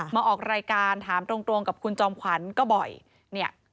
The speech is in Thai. มาออกรายการถามตรงกับคุณจอมขวัญก็บ่อยเนี่ย